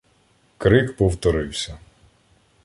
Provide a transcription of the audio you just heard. Крик повторився.